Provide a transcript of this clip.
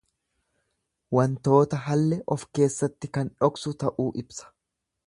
Wantoota halle of keessatti kan dhoksu ta'uu ibsa.